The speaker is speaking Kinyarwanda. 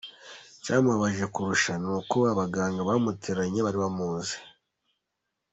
Icyamubabaje kurusha ni uko abaganga bamutereranye bari bamuzi.